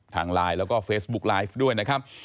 ทางไลน์แล้วก็เฟซบุ๊กไลฟ์ด้วยนะครับ